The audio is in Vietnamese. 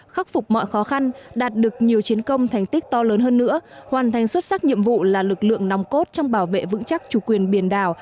khắc phục mọi khó khăn đạt được nhiều chiến công thành tích to lớn hơn nữa hoàn thành xuất sắc nhiệm vụ là lực lượng nòng cốt trong bảo vệ vững chắc chủ quyền biển đảo